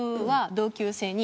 同級生に？